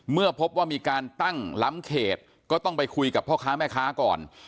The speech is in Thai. เมื่อพบว่ามีการตั้งล้ำเขตก็ต้องไปคุยกับพ่อค้าแม่ค้าก่อน